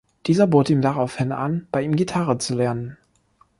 Dieser bot ihm daraufhin an, bei ihm Gitarre zu lernen.